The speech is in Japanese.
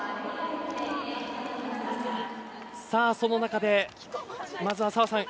その中で、まずは澤さん